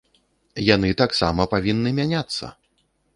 Яны таксама павінны мяняцца!